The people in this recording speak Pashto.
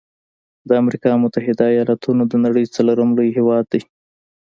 د امريکا متحده ایلاتونو د نړۍ څلورم لوی هیواد دی.